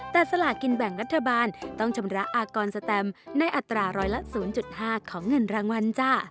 แต่สลากินแบ่งรัฐบาลต้องชำระอากรสแตมในอัตราร้อยละ๐๕ของเงินรางวัลจ้ะ